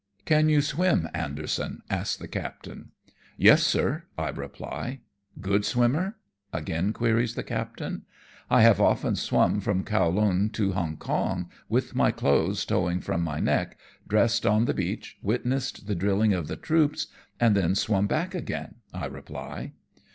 " Can you swim, Anderson ?" asks the captain. " Yes, sir," I reply. " Good swimmer ?" again queries the captain. " I have often swum from Kowlon to Hong Kong, THE JAPANESE COME TO LUNCHEON. 141 with my clotlies towing from my neck ; dressed on the beach, witnessed the drilling of the troops, and then swum back again," I reply.